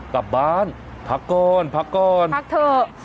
กลับบ้านพักก่อนพักก่อนพักเถอะ